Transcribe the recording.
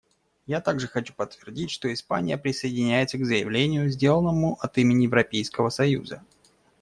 Я также хочу подтвердить, что Испания присоединяется к заявлению, сделанному от имени Европейского союза.